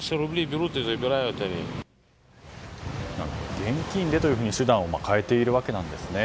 現金でというふうに手段を変えているわけなんですね。